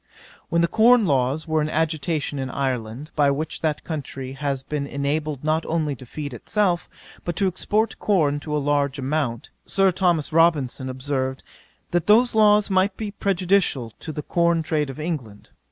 'When the corn laws were in agitation in Ireland, by which that country has been enabled not only to feed itself, but to export corn to a large amount; Sir Thomas Robinson observed, that those laws might be prejudicial to the corn trade of England.